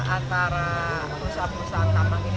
antara perusahaan perusahaan tambang ini